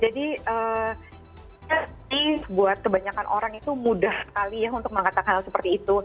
jadi buat kebanyakan orang itu mudah sekali ya untuk mengatakan hal seperti itu